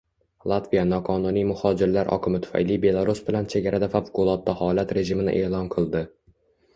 Latviya noqonuniy muhojirlar oqimi tufayli Belarus bilan chegarada favqulodda holat rejimini e’lon qildi